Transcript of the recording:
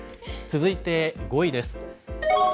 続いて５位です。